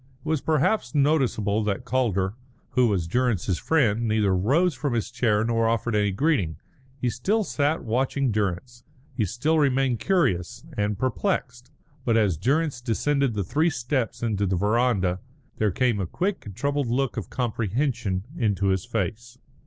It was perhaps noticeable that Calder, who was Durrance's friend, neither rose from his chair nor offered any greeting. He still sat watching Durrance; he still remained curious and perplexed; but as Durrance descended the three steps into the verandah there came a quick and troubled look of comprehension into his face.